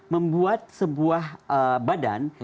membuat sebuah badan